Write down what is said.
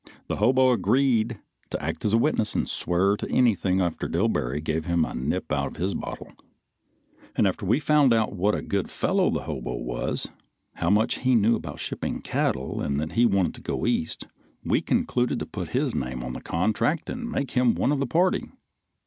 The hobo agreed to act as witness and swear to anything after Dillbery gave him a nip out of his bottle; and after we found out what a good fellow the hobo was, how much he knew about shipping cattle and that he wanted to go east, we concluded to put his name on the contract and make him one of the party.